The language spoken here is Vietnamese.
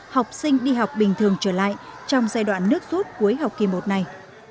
học sinh đi học bình thường trở lại trong giai đoạn nước suốt cuối học kỳ một này